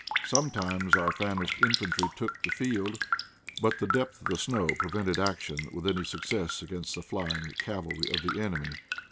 Sometimes our famished infantry took the field, but the depth of the snow prevented action with any success against the flying cavalry of the enemy.